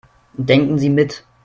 Denken Sie mit.